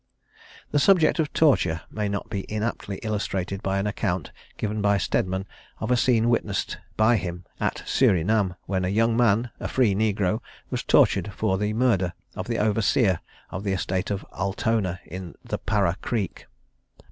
The subject of torture may not be inaptly illustrated by an account given by Stedman of a scene witnessed by him at Surinam, when a young man, a free negro, was tortured for the murder of the overseer of the estate of Altona in the Para Creek.